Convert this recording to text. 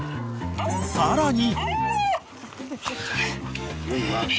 ［さらに］